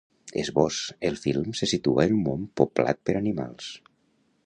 Esbós: El film se situa en un món poblat per animals.